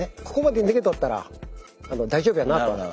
ここまで逃げとったら大丈夫やなと。